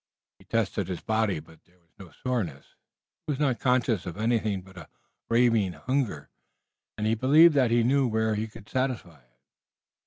He tested his body, but there was no soreness. He was not conscious of anything but a ravening hunger, and he believed that he knew where he could satisfy it.